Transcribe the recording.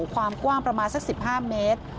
ความกว้างประมาณสัก๑๕เมตร